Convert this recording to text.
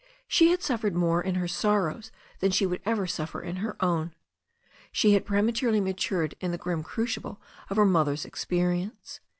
She had suffered more in her sor rows than she would ever suffer in her own. She had prematurely matured in the grim crucible of her mother's experience.